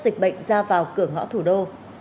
dịch bệnh ra vào cửa ngõ thủ đô